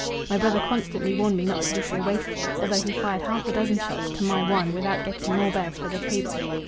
My brother constantly warned me not to be so wasteful, although he fired half a dozen shots to my one without getting more birds for the table.